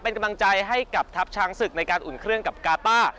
เป็นกำลังใจให้กับทัพช้างศึกในการอุ่นเครื่องกับกาต้า